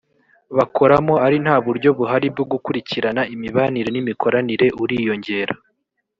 bakoramo ari nta buryo buhari bwo gukurikirana imibanire n imikoranire uriyongera